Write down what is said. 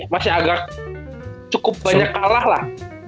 masih agak cukup banyak kalah lah